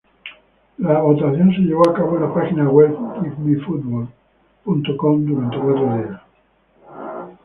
La votación se llevó a cabo en la página web GiveMeFootball.com durante cuatro días.